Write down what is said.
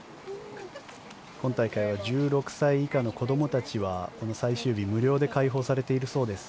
今大会は１６歳以下の子どもたちはこの最終日無料で開放されているそうです。